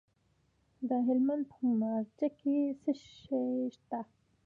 د هلمند په مارجه کې څه شی شته؟